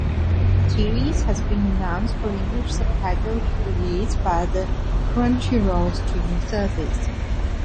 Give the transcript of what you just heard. The series has been announced for English subtitled release via the Crunchyroll streaming service.